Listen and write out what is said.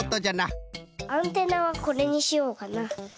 アンテナはこれにしようかな。